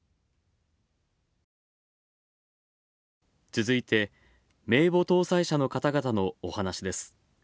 続いて、名簿登載者の方々の、お話です。